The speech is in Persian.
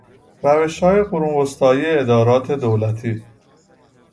روشهای قرون وسطایی ادارات دولتی